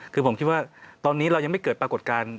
คือผมคิดว่าตอนนี้เรายังไม่เกิดปรากฏการณ์